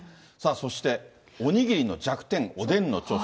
そして、お握りの弱点、おでんの長所。